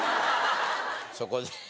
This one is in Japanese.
そこでね。